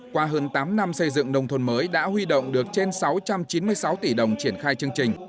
qua hơn tám năm xây dựng nông thôn mới đã huy động được trên sáu trăm chín mươi sáu tỷ đồng triển khai chương trình